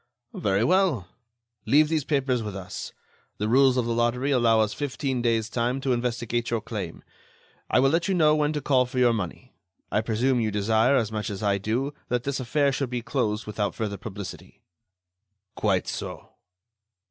"Very well. Leave these papers with us. The rules of the lottery allow us fifteen days' time to investigate your claim. I will let you know when to call for your money. I presume you desire, as much as I do, that this affair should be closed without further publicity." "Quite so."